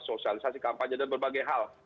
sosialisasi kampanye dan berbagai hal